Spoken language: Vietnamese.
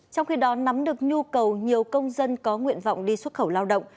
trong khi đó nắm được nhu cầu nhiều công dân có nguyện vọng đi xuất khẩu lao động